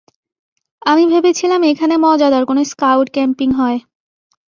আমি ভেবেছিলাম, এখানে মজাদার কোনো স্কাউট ক্যাম্পিং হয়।